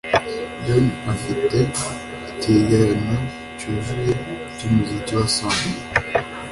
John afite icyegeranyo cyuzuye cyumuziki wa Sam.